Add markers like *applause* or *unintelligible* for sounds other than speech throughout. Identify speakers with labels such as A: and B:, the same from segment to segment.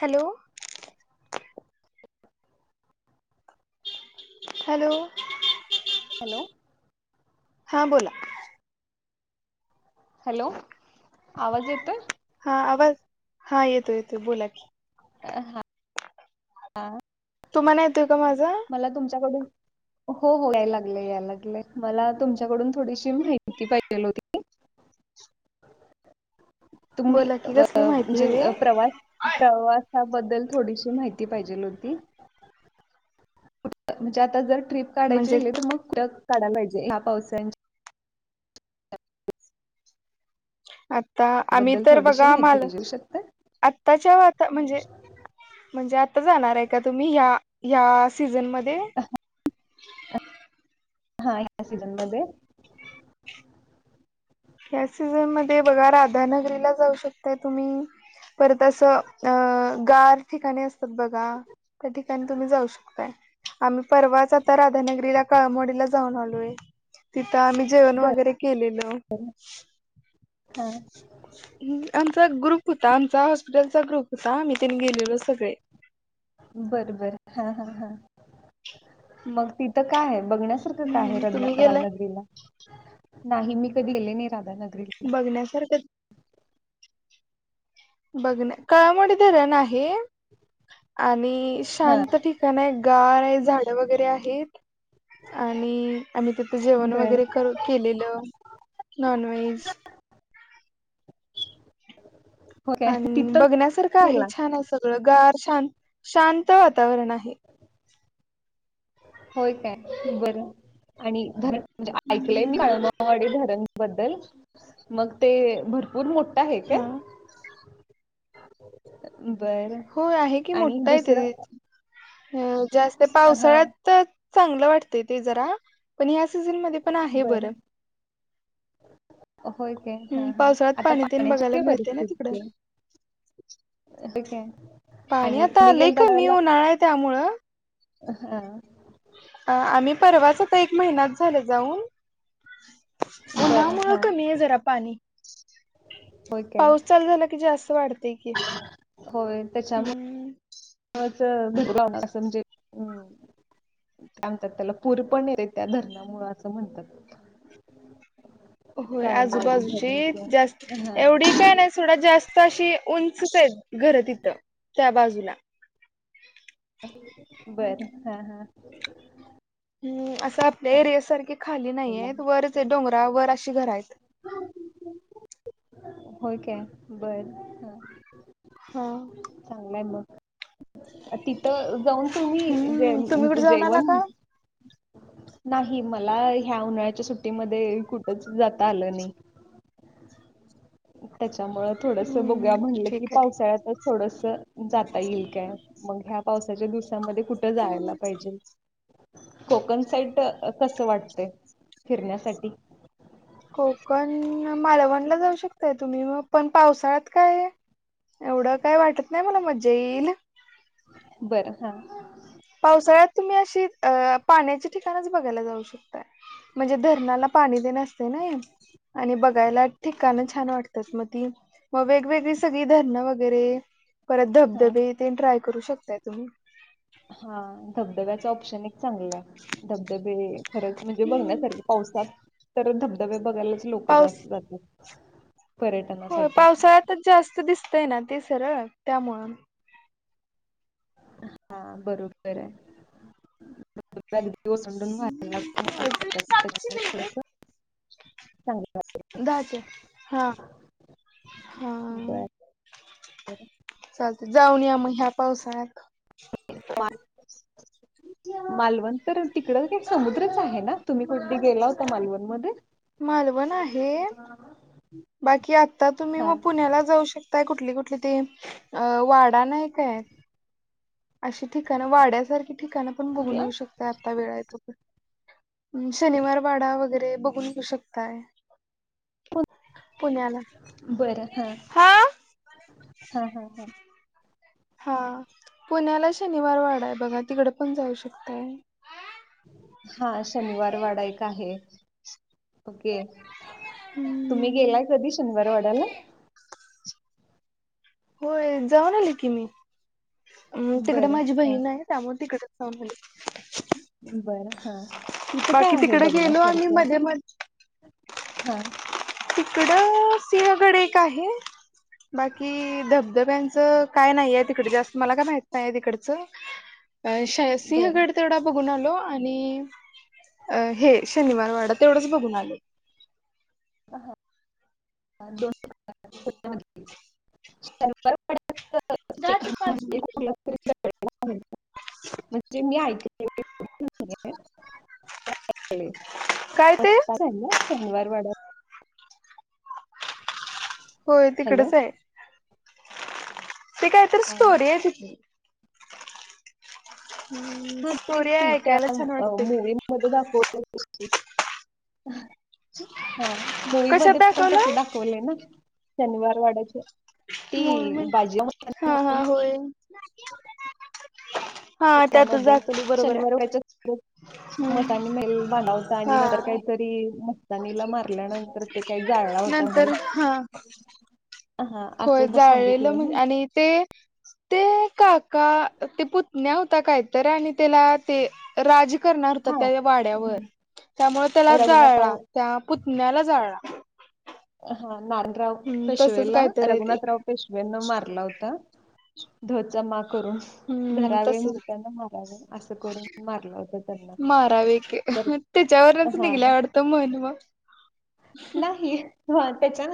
A: Hello. Hello.
B: Hello.
A: हा बोला.
B: Hello आवाज येतोय.
A: हा आवाज, हा येतोय येतोय, बोला की.
B: अ हा हा.
A: तुम्हाला येतोय का? माझा
B: मला तुमच्याकडून हो हो, याय लागलंय, याय लागलय मला तुमच्याकडून थोडीशी माहिती पाहिजेल होती. *inaudible* तुम्ही
A: बोला की
B: अ
A: कसली माहिती हवी
B: म्हणजे
A: आहे?
B: प्रवास प्रवास त्याबद्दल थोडीशी माहिती पाहिजेल होती. कुठ म्हणजे? आता जर ट्रिप काढायची
A: म्हणजे
B: झाली तर, मग कुठ काढाय पाहिजे? ह्या पावसाच
A: अ आता आम्ही
B: बद्दल
A: तर
B: थोडीशी
A: बघा
B: माहिती पाहिजे शकता
A: मारलेश्वर, आत्ताच्या वाता म्हणजे म्हणजे आता जाणार आहे का तुम्ही? ह्या ह्या सीझनमध्ये
B: हा ह्या सीझन मध्ये
A: या सीझन मध्ये बघा राधानगरीला जाऊ शकताय तुम्ही. परत असं अं गार ठिकाणी असतात बघा त्या ठिकाणी तुम्ही जाऊ शकताय. आम्ही परवाच आता राधानगरीला, काळमवाडीला जाऊन आलोय. तिथं आम्ही जेवण
B: बर
A: वगैरे केलेलो.
B: हा.
A: आमचा ग्रुप होता, आमचा हॉस्पिटलचा ग्रुप होता, आम्ही तेन गेलेलो सगळे.
B: बर बर. हा हा हा. मग तिथं काय आहे? बघण्यासारखं काय आहे
A: हम्म
B: रधना
A: तुम्ही गेलाय
B: राधानगरीला? नाही मी कधी गेले नाही राधानगरीला
A: बघण्यासारखं बघणं काळमवाडी धरण आहे. आणि
B: हा
A: शांत ठिकाण आहे. गार आहे. झाड वगैरे आहेत. आणि आम्ही तिथं जेवण
B: बर
A: वगैरे कर केलेलं. नॉनव्हेज.
B: *unintelligible* काय
A: आणि
B: तिथंच
A: बघण्यासारखं
B: केला
A: आहे छान असं सगळ गार, शांत शांत वातावरण आहे.
B: होय काय? बरं आणि धरण म्हणजे ऐकलंय मी काळमावाडी धरण बद्दल, मग ते भरपूर मोठं हाय
A: हा
B: काय? *inaudible*
A: हो, आहे की
B: आणि
A: मोठ आहे ते
B: दुसरं
A: जास्त
B: हा
A: पावसाळ्यातच चांगलं वाटतंय ते जरा, पण ह्या सीझनमध्ये ते पण आहे बर.
B: होय काय, हा हा
A: पावसाळ्यात
B: आता
A: पाणी तेन
B: पाण्याची
A: बघायला
B: काय
A: मिळते ना तिकडं
B: परिस्थिती आहे? ती काय
A: पाणी
B: आणि
A: आता
B: तुम्ही
A: आलयं,
B: गेलता
A: कमी
B: त्यावेळेला
A: उन्हाळा आहे त्यामुळं
B: हा.
A: अ आम्ही परवाच आता एक महिनाच झालं जाऊन
B: बर
A: उन्हामुळं
B: हा
A: कमी आहे जरा पाणी.
B: होय काय
A: पाऊस चालू झाला की, जास्त वाढतेय कि.
B: होय, त्याच्यामुळे चं *unintelligible* लावणार असं म्हणजे काय म्हणतात त्याला पूर पण येतात, त्या धरणामुळं असं म्हणतात.
A: होय,
B: कळमवाडी
A: आजूबाजूची जास्त
B: धरणच हा
A: एवढी काय नाही, सोडा जास्त तशी उंचच आहेत घरं तिथं त्या बाजूला.
B: बरं हा हा.
A: हम्म असं आपल्या एरिया सारखी खाली नाही आहेत, वरच डोंगरा वर अशी घर आहेत.
B: होय काय? बरं ह.
A: हा.
B: चांगलंय मग. तिथं जाऊन तुम्ही जे
A: हम्म तुम्ही कुठे
B: म्हणजे
A: जाऊन आला
B: जेवण
A: का
B: नाही मला ह्या उन्हाळ्याच्या सुट्टीमध्ये कुठच जाता आलं नाही. *inaudible* त्याच्यामुळ थोडस बघूया
A: हम्म
B: म्हटलं की
A: ठीक
B: पावसाळ्यातच थोडस जाता येईल काय मग ह्या पावसाच्या दु मध्ये कुठ
A: आहे
B: जायला पाहिजे. कोकण साईट कस वाटते फिरण्यासाठी.
A: कोकण मालवणला जाऊ शकताय तुम्ही मग पण पावसाळ्यात काय एवढं काय वाटत नाही मला मज्जा येईल.
B: बरं हा.
A: पावसाळ्यात तुम्ही अशी अ पाण्याचे ठिकाणच बघायला जाऊ शकताय. म्हणजे धरणाला पाणी देण असते नाई. आणि बघायला ठिकाणं छान वाटतात मग ती मग वेगवेगळी सगळी धरणं वगैरे परत
B: हा
A: धबधबे ते ट्राय करू शकताय तुम्ही.
B: हा धबधब्याच ऑप्शन एक चांगलं आहे धबधबे खरंच म्हणजे
A: हम्म
B: बघण्यासारखे पावसात तर धबधबे बघायलाच लोक जास्त जातात.
A: हो
B: पर्यटनासाठी.
A: पावसाळ्यातच जास्त दिसतय ना ते सरळ त्यामुळं.
B: हा बरोबर आहे. *unintelligible* त्याच्यामुळे थोडस
A: दहा ते हा. हा.
B: वाटतं. बरं.
A: जाऊन या म ह्या पावसाळ्यात.
B: मालवण तर तिकड काही समुद्रच आहे ना तुम्ही कुठे गेला होता मालवणमध्ये.
A: मालवण आहे बाकी आता तुम्ही
B: हां.
A: मग पुण्याला जाऊ शक ताकाय कुठली कुठली त अ वाडा नाही काय. अशी ठिकाणं वाड्यासारखी ठिकाणं पण बघून
B: कुठला?
A: येऊ शकत आता वेळ आहे तो पर्यंत. शनिवार वाडा वगैरे बघून घेऊ शकताय. पुण्याला हा.
B: हा हा हा.
A: हा पुण्याला शनिवार वाडा आहे बघा तिकडे पण जाऊ शकताय.
B: हा शनिवार वाडा एक आहे ओके. तुम्ही
A: हम्म
B: गेलाय कधी शनिवार वाड्याला?
A: होय जाऊन आले की मी तिकडे
B: बरं.
A: माझी
B: हां.
A: बहीण आहे त्यामुळे तिकडं
B: *inaudible* बरं हा तिथं काय
A: बाकी
B: आहे
A: तिकडे गेलो आम्ही
B: बघण्यासारखं.
A: मध्ये मध्ये
B: हा.
A: तिकडं सिंहगड एक आहे. बाकी धबधब्यांचं काय नाही आहे तिकड जास्त मला काय माहित नाही आहे तिकडचं. अ
B: बरं
A: सिंहगड ते एवा बघुण आलो. आणि हे शनिवार वाडा तेवढच बघून आलो.
B: दोन *unintelligible*
A: दात
B: ते
A: पाच
B: म्हणजे
A: मिनिटं.
B: कुठला *unintelligible* म्हणजे मी ऐकल
A: काय ते
B: *unintelligible* शनिवार वाड्या
A: होय
B: हॅलो
A: तिकडच आहे. ती काहीतरी
B: हा
A: स्टोरी आहे तिथली.
B: हा तेच
A: स्टोरी
B: कि
A: आहे
B: त्या
A: ऐकायला छान वाटते
B: मुव्ही मध्ये दाखव ल *unintelligible* हा हा मूवी
A: कशात
B: मध्ये पण तस
A: दाखवलाय
B: दाखवलं ना शनिवार वाड्याचं. ती
A: म म
B: बाजी मस्तानी
A: हा हा होय. हा त्या आता
B: त्याच्यामध्ये
A: जातील बरोबर
B: शनिवार
A: आहे.
B: वाड्याच्या
A: हम्म
B: मसानी मेल बनवता आणि
A: हा
B: नंतर काही तरी नीला मारल्या नंतर ते काही जाळला होता
A: नंतर
B: म्ह
A: हा होय, जाळलेल म्हण आणि ते ते काका ते पुतण्या होता काहीतरी, आणि त्याला ते राज करणार होता
B: हा
A: त्या वाड्यावर
B: हम्म.
A: त्यामुळं त्याला जाळला,
B: रघुनाथराव
A: त्या पुतण्याला जाळला.
B: हा, नारायणराव
A: हम्म तसच
B: पेशवेला
A: कायतर हाय ते
B: रघुनाथराव पेशवेनं मारला होता. ध चा मा करून,
A: हम्म
B: धरावे
A: तसच
B: म्हणताना मारावे असं करून मारलं होतं त्यांना.
A: धरावे की
B: तर
A: त्याच्यावरूनच
B: हा
A: निघल्या वाटतं‌ म्हण मग.
B: नाही, त्याच्यान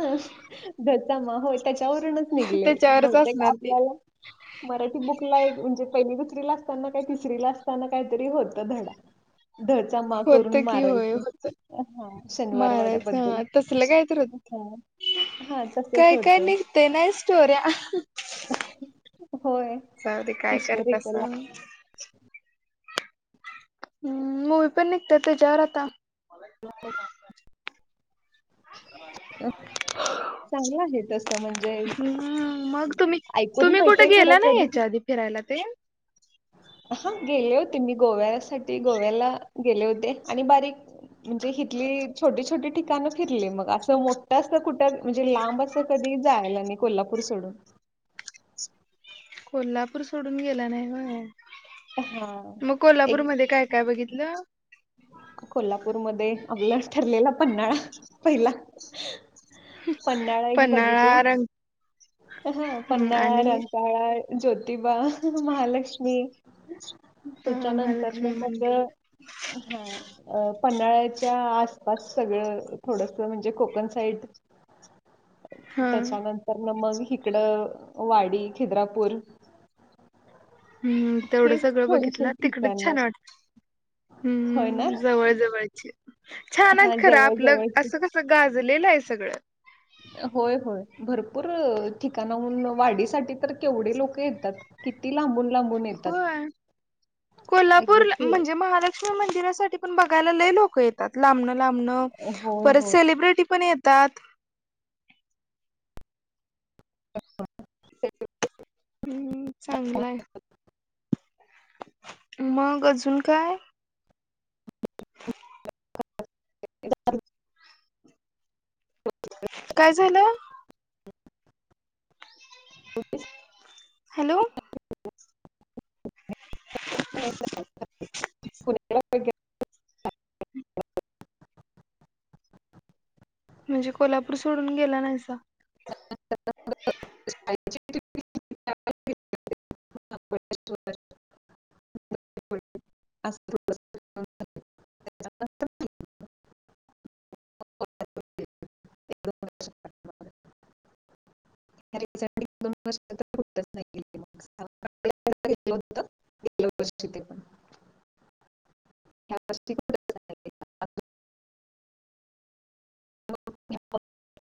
B: ध चा म हो त्याच्यावरूनच निघलंय,
A: त्याच्यावरच
B: बहुतेक
A: असणार ती
B: आपल्याला मराठी बुक ला एक म्हणजे पहिली दुसरीला असताना काय तिसरीला असताना काहीतरी होतं धडा. ध चा मा
A: होत
B: करून
A: की होय
B: मारायचं,
A: होत
B: हा शनिवार
A: मारायचं
B: वाड्याबद्दल.
A: हा तसलं काय तर
B: ह
A: होत
B: हा
A: काय काय निघते ना स्टोऱ्या.
B: होय
A: जाऊदे काय करत्या
B: हिस्टॉरिकल
A: सांग. हम्म, मूवी पण निघत्या त्याच्यावर आता.
B: *unintelligible* आहे.
A: *inaudible*
B: चांगलं आहे तसं म्हणजे
A: हम्म, मग तुम्ही
B: ऐकून
A: तुम्ही
B: माहित
A: कुठे
B: आहे खरं
A: गेला नाही
B: कधी
A: ह्याच्या आधी फी रायला ते
B: हा गेले होते मी गोव्यासाठी गोव्याला गेले होते आणि बारीक म्हणजे हितली छोटी छोटी ठिकाणं फिरले मग असं मोठं असं कुठं म्हणजे लांब असं कधी जायला नाही कोल्हापूर सोडून.
A: कोल्हापूर सोडून गेला नाही होय?
B: हा
A: मग
B: एक
A: कोल्हापूरमध्ये काय काय बघितलं?
B: कोल्हापूरमध्ये आपला ठरलेला पन्हाळा पहिला. पन्हाळा एक बघितला,
A: पन्हाळा रंग
B: हा
A: हम्म
B: पन्हाळा,
A: आणि
B: रंकाळा ज्योतिबा महालक्ष्मी.
A: हा
B: त्याच्यानंतर ना
A: महालक्ष्मी
B: मग
A: मंदिर
B: हा पन्हाळ्याच्या आसपास सगळं थोडस, म्हणजे कोकण साईड
A: *inaudible* हा
B: त्याच्यानंतर न मग हिकडं, वाडी, खिद्रापूर
A: हम्म तेवढं
B: हे
A: सगळं
B: थोडीशी
A: बघितलं तिकडच
B: ठिकाणं.
A: छान वाटत.
B: होय ना?
A: हम्म जवळ जवळचे हेत. छान
B: हां
A: आहेत खरं
B: जवळ
A: आपलं
B: जवळची.
A: असं कस गा झालेलं आहे सगळं.
B: होय होय भरपूर ठिकाणाहून वाढीसाठी तर केवढी लोक येतात. किती लांबून लांबून येतात.
A: होय. कोल्हापूर
B: अगदी
A: म्हणजे महालक्ष्मी मंदिरासाठी बघायला लय लोक येतात. लांबन लांबन,
B: होय,
A: परत
B: होय.
A: सेलिब्रेटि पण येतात. हम्म चांगला आहे. मग अजून काय?
B: *unintelligible*
A: काय झालं?
B: ओे *unintelligible*
A: हॅलो?
B: *unintelligible* पुणे *unintelligible*
A: म्हणजे कोल्हापूर सोडून गेला नाहीसा.
B: *inaudible* हो. अस *unintelligible* एक *unintelligible* हो नाही *unintelligible* घेतल होत *inaudible* ते पण. कॅ *unintelligible* हो *unintelligible*